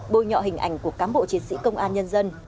bôi nhọ hình ảnh của cán bộ chiến sĩ công an nhân dân